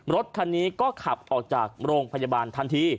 รถคันนี้ก็ขับออกจากโรงพยาบาลทันที